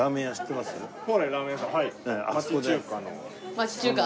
町中華。